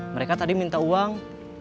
mereka tadi minta uang